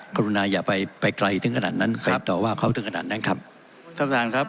ครูนาอย่าไปไปไกลถึงขนาดนั้นครับแต่ว่าเขาถึงขนาดนั้นครับ